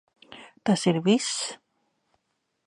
Tas ir viss?